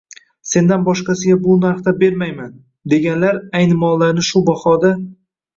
«Sendan boshqasiga bu narxda bermayman»,— deganlar, ayni mollarini shu bahoda